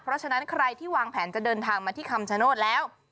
เพราะฉะนั้นใครที่วางแผนจะเดินทางมาที่คำชโนธแล้ว